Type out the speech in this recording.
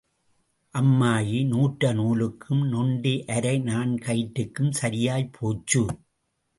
அம்மாயி நூற்ற நூலுக்கும் நொண்டி அரைநாண் கயிற்றுக்கும் சரயாய்ப் போச்சு.